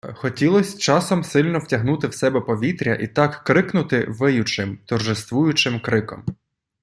Хотілось часом сильно втягнути в себе повітря і так крикнути виючим, торжествуючим криком.